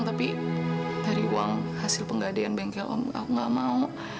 tapi dari uang hasil penggadean bengkel aku nggak mau